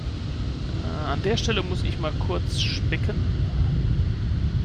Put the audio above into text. An der Stelle muss ich mal kurz spicken.